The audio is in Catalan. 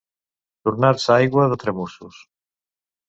Tornar-se aigua de tramussos.